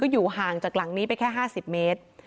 อยู่ห่างจากหลังนี้ไปแค่๕๐เมตร